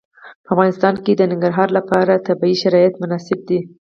په افغانستان کې د ننګرهار لپاره طبیعي شرایط مناسب دي.